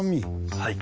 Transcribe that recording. はい。